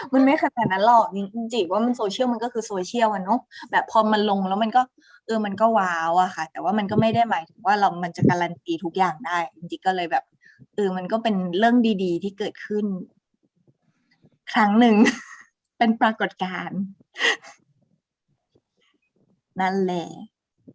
มันไม่ขนาดนั้นหรอกจริงจริงว่ามันโซเชียลมันก็คือโซเชียลอ่ะเนอะแบบพอมันลงแล้วมันก็เออมันก็ว้าวอะค่ะแต่ว่ามันก็ไม่ได้หมายถึงว่าเรามันจะการันตีทุกอย่างได้จริงก็เลยแบบเออมันก็เป็นเรื่องดีที่เกิดขึ้นครั้งหนึ่งเป็นปรากฏการณ์นั่นแหละ